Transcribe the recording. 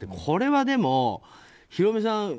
これはでも、ヒロミさん